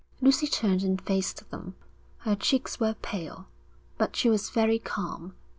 Lucy turned and faced them; her cheeks were pale, but she was very calm.